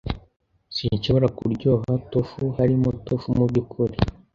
Sinshobora kuryoha tofu. Harimo tofu mubyukuri?